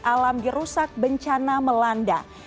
alam dirusak bencana melanda